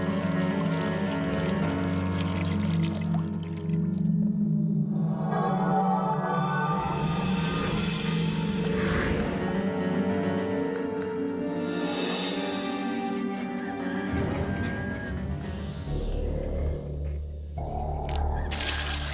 sekarang semuanya sudah siap